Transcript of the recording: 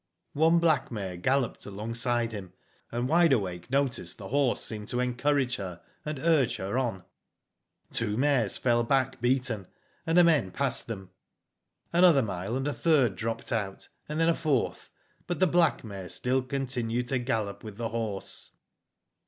"One black mare galloped alongside him, and Wide Awake noticed the horse seemed to encourage her, and urge her on. " Two mares fell back beaten, and^ the men passed them. Another mile, and a third dropped out, then a fourth, but the black mare still con tinued to. gallop with the horse.